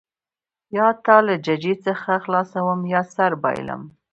یا تا له ججې څخه خلاصوم یا سر بایلم.